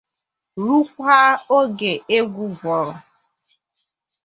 rukwaa oge egwu gwụrụ.